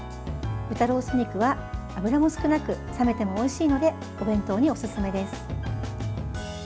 豚ロース肉は脂も少なく冷めてもおいしいのでお弁当におすすめです。